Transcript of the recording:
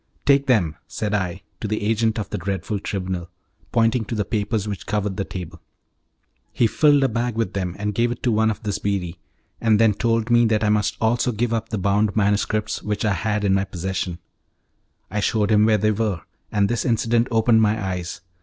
"Take them," said I, to the agent of the dreadful Tribunal, pointing to the papers which covered the table. He filled a bag with them, and gave it to one of the sbirri, and then told me that I must also give up the bound manuscripts which I had in my possession. I shewed him where they were, and this incident opened my eyes.